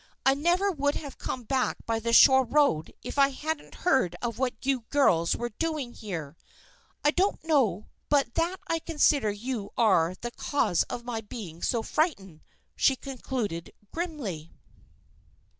"I never would have come back by the shore road if I hadn't heard of what you girls were doing here. I don't know but that I consider you are the cause of my being so frightened," she concluded grimly.